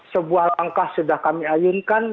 sebuah langkah sudah kami ayunkan